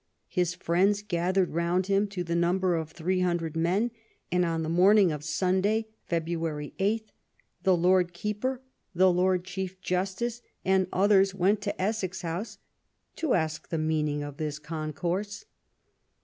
His friends gathered round him to the number of 300 men, and, on the morning of Sunday, February 8, the Lord Keeper, the Lord Chief Justice and others went to Essex House to ask the meaning of this concourse.